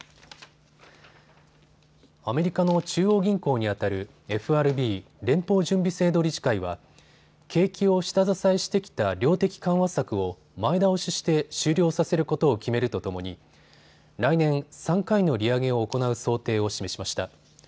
アメリカの中央銀行にあたるＦＲＢ・連邦準備制度理事会は景気を下支えしてきた量的緩和策を前倒しして終了させることを決めるとともに来年、３回の利上げを行う想定を示しました。